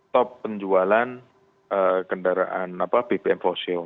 dua ribu lima puluh top penjualan kendaraan bpm fosil